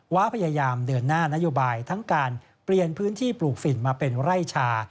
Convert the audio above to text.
้าพยายามเดินหน้านโยบายทั้งการเปลี่ยนพื้นที่ปลูกฝิ่นมาเป็นไร่ชา